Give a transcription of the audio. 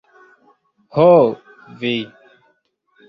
Ho, vi!